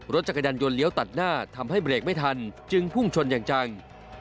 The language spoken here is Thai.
รถจักรยานยนต์เลี้ยวตัดหน้าทำให้เบรกไม่ทันจึงพุ่งชนอย่างจัง